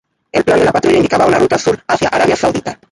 El plan de la patrulla indicaba una ruta sur hacia Arabia Saudita.